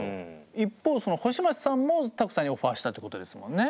一方星街さんもＴＡＫＵさんにオファーしたってことですもんね。